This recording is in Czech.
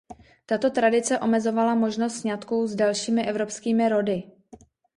Tato tradice omezovala možnost sňatků s dalšími evropskými rody.